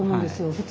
普通